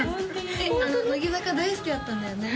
乃木坂大好きだったんだよね